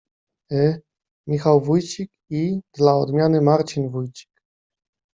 Yyy, Michał Wójcik i...dla odmiany Marcin Wójcik.